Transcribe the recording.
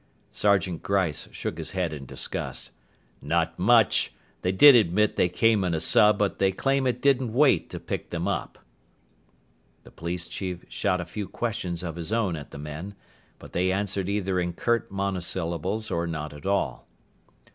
Sergeant Gryce shook his head in disgust. "Not much. They did admit they came in a sub, but they claim it didn't wait to pick them up." The police chief shot a few questions of his own at the men, but they answered either in curt monosyllables or not at all.